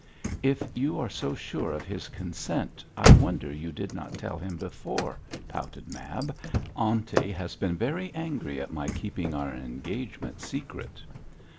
'If you are so sure of his consent I wonder you did not tell him before,' pouted Mab. 'Aunty has been very angry at my keeping our engagement secret.'